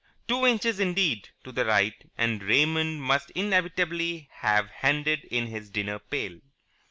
Two inches, indeed, to the right and Raymond must inevitably have handed in his dinner pail.